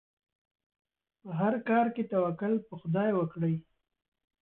په هر کار کې توکل په خدای وکړئ.